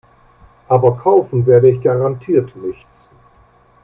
Aber kaufen werde ich garantiert nichts.